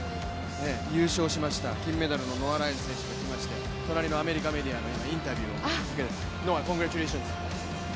優勝しました、金メダルのノア・ライルズ選手が来まして、隣のアメリカメディアのインタビューを受けています。